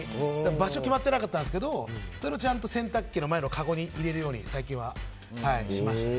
場所決まってなかったんですけどそれをちゃんと洗濯機の前のかごに入れるように最近はしましたね。